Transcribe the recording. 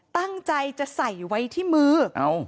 ตั้งใจจะใส่ไว้ที่มือ